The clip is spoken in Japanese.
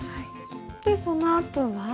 でそのあとは？